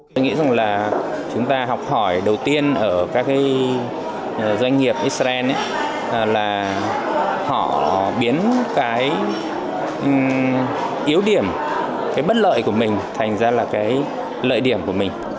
tôi nghĩ rằng là chúng ta học hỏi đầu tiên ở các cái doanh nghiệp israel là họ biến cái yếu điểm cái bất lợi của mình thành ra là cái lợi điểm của mình